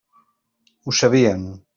Ho sabien.